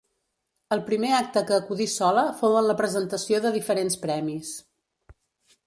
El primer acte que acudí sola fou en la presentació de diferents premis.